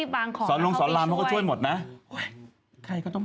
บอลทานินก็ช่วยเห็นคุณป้าล้ม